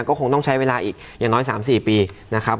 ก็คงต้องใช้เวลาอีกอย่างน้อย๓๔ปีนะครับ